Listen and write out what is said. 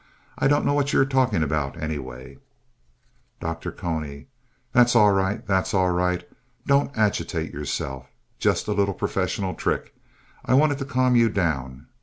I don't know what you are talking about, anyway. DR. CONY That's all right, that's all right. Don't agitate yourself. Just a little professional trick. I wanted to calm you down.